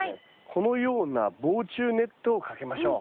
このような防虫ネットをかけましょう。